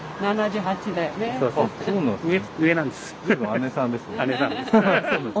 姉さんです。